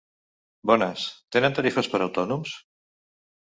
Bones, tenen tarifes per autònoms?